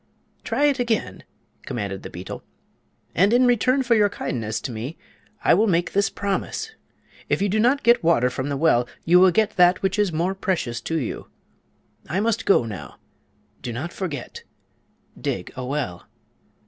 "Try it again," commanded the beetle; "and in return for your kindness to me I will make this promise: if you do not get water from the well you will get that which is more precious to you. I must go now. Do not forget. Dig a well."